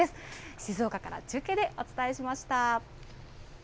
静岡から中継でお伝えしました。